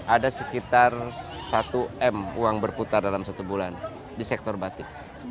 ada sekitar satu m uang berputar dalam satu bulan di sektor batik